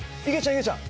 いげちゃん！